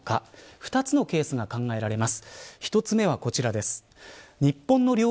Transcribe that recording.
２つのケースが考えられます。